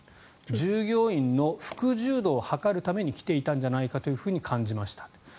従業員の服従度を測るために来ていたんじゃないかと感じました。